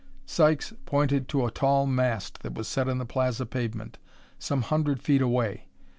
Sykes pointed to a tall mast that was set in the plaza pavement, some hundred feet away.